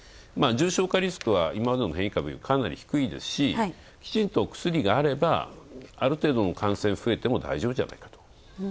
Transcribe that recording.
重症化リスクは今までの株よりもかなり低いですし、きちんと薬があればある程度の感染増えても大丈夫じゃないかと。